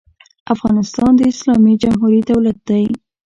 افغانستان د اسلامي جمهوري دولت دی.